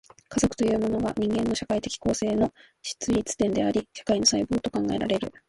家族というものが、人間の社会的構成の出立点であり、社会の細胞と考えられる。